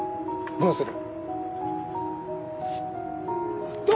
どうする！？